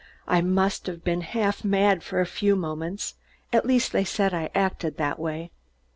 I must have been half mad for a few moments, at least they said I acted that way.